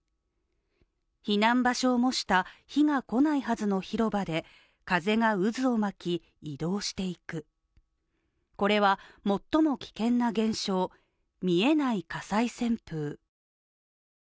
避難場所をもした火が来ないはずの広場で風が渦を巻き移動していく、これは最も危険な現象見えない火災旋風。